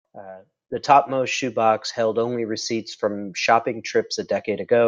The topmost shoe box held only receipts from shopping trips a decade ago.